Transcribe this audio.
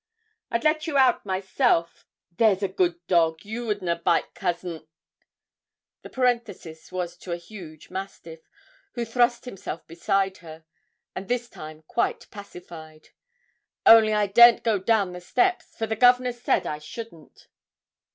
'I'd a let you out myself there's a good dog, you would na' bite Cousin' (the parenthesis was to a huge mastiff, who thrust himself beside her, by this time quite pacified) 'only I daren't go down the steps, for the governor said I shouldn't.'